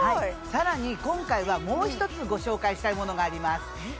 更に今回はもう一つご紹介したいものがあります